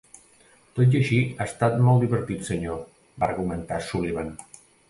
"Tot i així, ha estat molt divertit, senyor", va argumentar Sullivan.